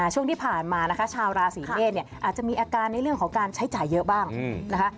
ช่วงที่ผ่านมานะคะชาวราศีเมษเนี่ยอาจจะมีอาการในเรื่องของการใช้จ่ายเยอะบ้างนะคะ